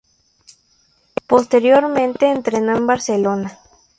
Posteriormente entrenó en Barcelona.